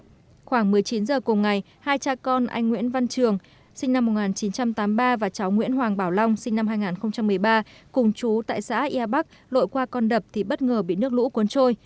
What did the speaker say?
khoảng một mươi chín h cùng ngày hai cha con anh nguyễn văn trường sinh năm một nghìn chín trăm tám mươi ba và cháu nguyễn hoàng bảo long sinh năm hai nghìn một mươi ba cùng chú tại xã yà bắc lội qua con đập thì bất ngờ bị nước lũ cuốn trôi